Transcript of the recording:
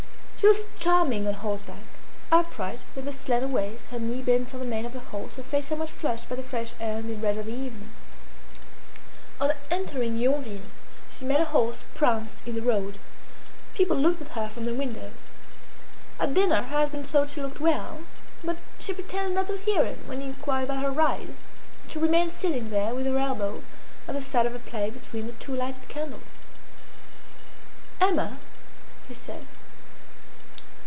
She was charming on horseback upright, with her slender waist, her knee bent on the mane of her horse, her face somewhat flushed by the fresh air in the red of the evening. On entering Yonville she made her horse prance in the road. People looked at her from the windows. At dinner her husband thought she looked well, but she pretended not to hear him when he inquired about her ride, and she remained sitting there with her elbow at the side of her plate between the two lighted candles. "Emma!" he said.